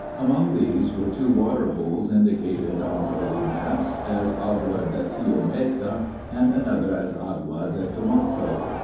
Among these were two water holes indicated on early maps as Agua de Tio Mesa, and another as Agua de Tomaso.